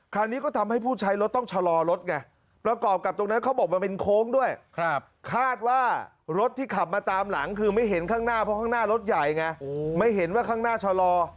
คราวนี้ก็ทำให้ผู้ใช้รถต้องชะลอรถไงประกอบกับตรงนั้นเขาบอกมันเป็นโค้งด้วยคาดว่ารถที่ขับมาตามหลังคือไม่เห็นข้างหน้าเพราะข้างหน้ารถใหญ่ไงไม่เห็นว่าข้างหน้าชะลอ